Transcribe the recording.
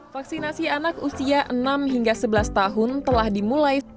vaksinasi anak usia enam hingga sebelas tahun telah dimulai